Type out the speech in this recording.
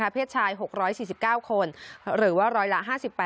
เพศชาย๖๔๙คนหรือว่าร้อยละ๕๘